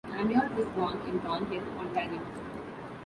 Amyot was born in Thornhill, Ontario.